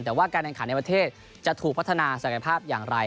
แต่ว่าการแข่งขันในประเทศจะถูกพัฒนาศักยภาพอย่างไร